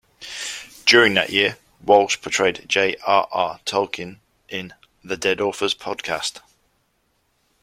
During that year, Walsh portrayed J. R. R. Tolkien in "The Dead Authors Podcast".